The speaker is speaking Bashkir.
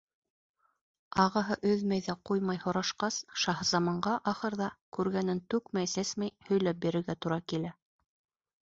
Ағаһы өҙмәй ҙә ҡуймай һорашҡас, Шаһзаманға, ахырҙа, күргәнен түкмәй-сәсмәй һөйләп бирергә тура килә.